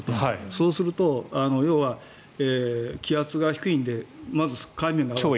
そうすると要は気圧が低いのでまず、海面が上がる。